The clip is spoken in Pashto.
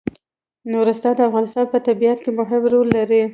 نورستان د افغانستان په طبیعت کې مهم رول لري.